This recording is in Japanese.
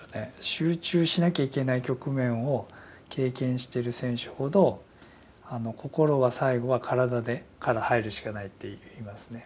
集中しなきゃいけない局面を経験してる選手ほど心は最後は体から入るしかないっていいますね。